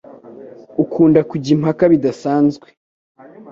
ukunda kujya impaka bidasanzwe.